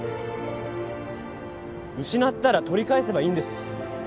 失ったら取り返せばいいんです。